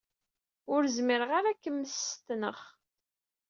Ur zmireɣ ara ad k-mmestneɣ.